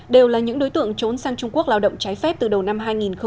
đều là những đối tượng trốn sang trung quốc lao động trái phép từ đầu năm hai nghìn một mươi chín